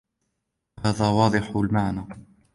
وَهَذَا وَاضِحُ الْمَعْنَى